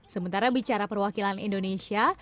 sementara bicara perwakilan indonesia